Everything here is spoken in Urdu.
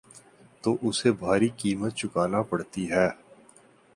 تو اسے بھاری قیمت چکانا پڑتی ہے۔